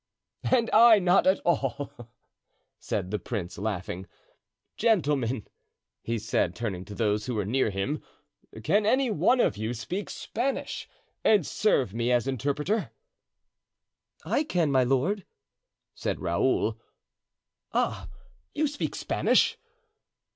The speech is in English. "And I not at all," said the prince, laughing. "Gentlemen," he said, turning to those who were near him "can any one of you speak Spanish and serve me as interpreter?" "I can, my lord," said Raoul. "Ah, you speak Spanish?"